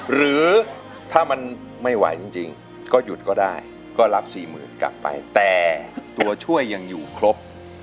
หรือถ้ามันไม่ไหวจริงก็หยุดก็ได้ก็รับสี่หมื่นกลับไปแต่ตัวช่วยยังอยู่ครบ